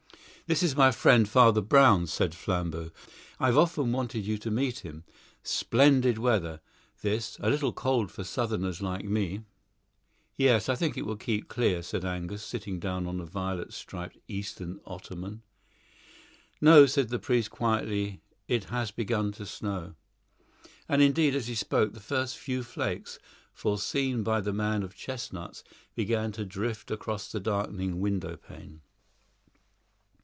"This is my friend Father Brown," said Flambeau. "I've often wanted you to meet him. Splendid weather, this; a little cold for Southerners like me." "Yes, I think it will keep clear," said Angus, sitting down on a violet striped Eastern ottoman. "No," said the priest quietly, "it has begun to snow." And, indeed, as he spoke, the first few flakes, foreseen by the man of chestnuts, began to drift across the darkening windowpane.